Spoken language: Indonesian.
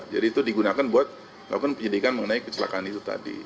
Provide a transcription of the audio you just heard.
jadi itu digunakan buat lakukan penyidikan mengenai kecelakaan itu tadi